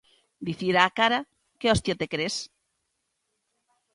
Dicir á cara qué hostia te cres.